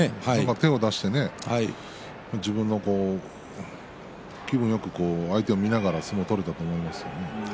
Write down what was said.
手を出して自分の気分よく相手を見ながら相撲を取れたと思います。